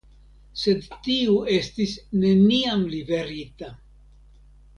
Sed tiu estis neniam liverita.